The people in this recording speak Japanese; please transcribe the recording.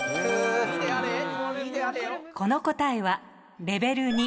この答えはレベル２。